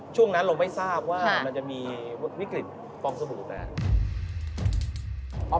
ช่วงนั้นเราไม่ทราบว่ามันจะมีวิกฤตฟองสบู่แตก